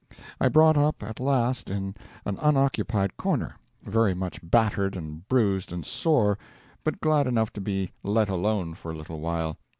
I brought up at last in an unoccupied corner, very much battered and bruised and sore, but glad enough to be let alone for a little while.